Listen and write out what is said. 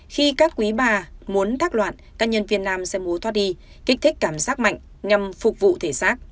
khi các quý bà muốn thác loạn các nhân viên nam sẽ mua thoát y kích thích cảm giác mạnh nhằm phục vụ thể xác